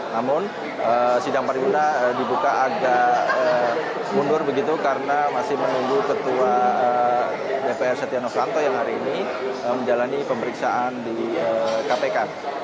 namun sidang paripurna dibuka agak mundur begitu karena masih menunggu ketua dpr setia novanto yang hari ini menjalani pemeriksaan di kpk